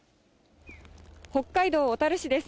北海道小樽市です。